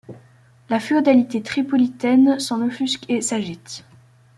La féodalité Tripolitaine s'en offusque et s'agite.